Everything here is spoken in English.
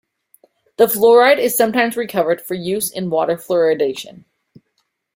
The fluoride is sometimes recovered for use in water fluoridation.